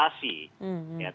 dan sudah terkendali